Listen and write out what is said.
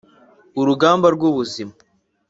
urugamba rw’ubuzima